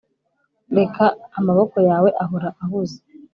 reka amaboko yawe ahora ahuze